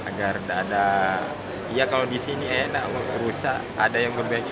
agar ada ya kalau disini enak rusak ada yang berbagi